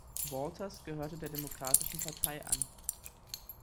Walters gehört der Demokratischen Partei an.